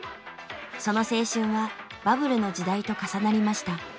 その青春はバブルの時代と重なりました。